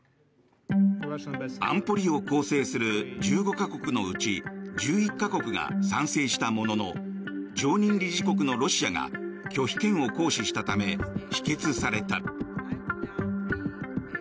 安保理を構成する１５か国のうち１１か国が賛成したものの常任理事国のロシアが拒否権を行使したため否決された。